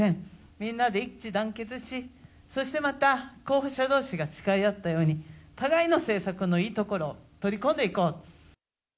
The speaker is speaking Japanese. みんなで一致団結し、そしてまた、候補者どうしが誓い合ったように、互いの政策のいいところを取り込んでいこうと。